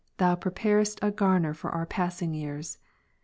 Thou preparest a garner for our passing years.